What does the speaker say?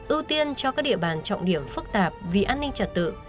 ưu tiên cho các địa bàn trọng điểm phức tạp vì an ninh trật tự